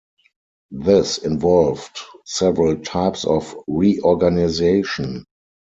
This involved several types of reorganization.